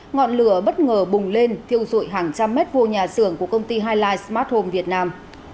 ngọn lửa bất ngờ bùng lên thiêu rụi hàng trăm mét vô nhà xưởng của công ty highlight smart home việt nam